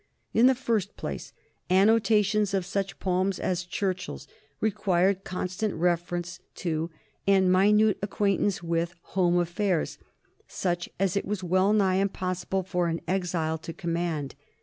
In the first place, annotations of such poems as Churchill's required constant reference to and minute acquaintance with home affairs, such as it was well nigh impossible for an exile to command.